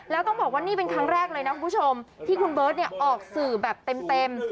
แล้วต้องบอกว่านี่เป็นครั้งแรกเลยนะคุณผู้ชมที่คุณเบิร์ตออกสื่อแบบเต็ม